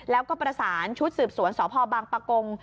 แล้วก็ประสานชุดสืบสวนสพบางปะกง